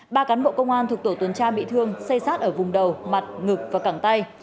ba cán bộ công an thuộc tổ tuần tra bị thương xây sát ở vùng đầu mặt ngực và cẳng tay